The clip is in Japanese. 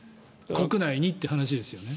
国内にという話ですよね。